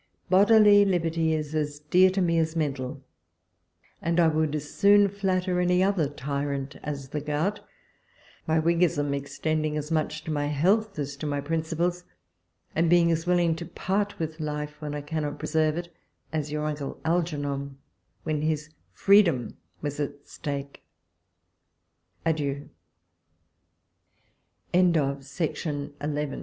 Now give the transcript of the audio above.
Bodily liberty is as dear to me as mental, and I would as soon flatter any other tyrant as the gout, my Whiggism extending as much to my health as to my principles, and being as willing to part with life, when I cannot preserve it, as your imcle Algernon when his freedom w